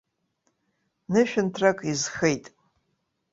Нышәынҭрак изхеит.